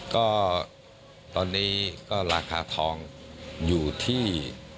ก็ตอนนี้ก็ราคาทองอยู่ที่